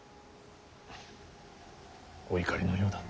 お怒りのようだ。